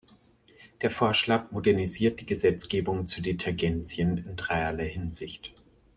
Der Vorschlag modernisiert die Gesetzgebung zu Detergenzien in dreierlei Hinsicht.